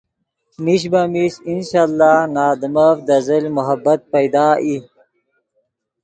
میش بہ میش انشاء اللہ نے آدمف دے زل محبت پیدا ای